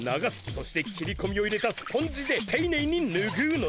そして切り込みを入れたスポンジでていねいにぬぐうのじゃ。